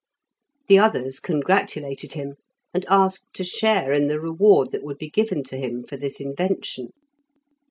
The others congratulated him, and asked to share in the reward that would be given to him for this invention.